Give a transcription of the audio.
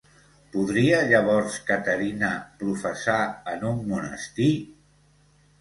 Podria llavors Caterina professar en un monestir?